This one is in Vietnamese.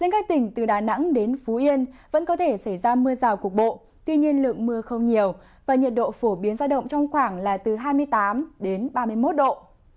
các tỉnh từ đà nẵng đến phú yên vẫn có thể xảy ra mưa rào cục bộ tuy nhiên lượng mưa không nhiều và nhiệt độ phổ biến ra động trong khoảng là từ hai mươi tám ba mươi một độ